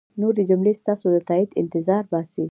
نورې جملې ستاسو د تایید انتظار باسي.